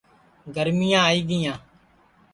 گرمِِیاں آئی گِیاں